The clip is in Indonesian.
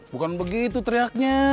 bukan begitu teriaknya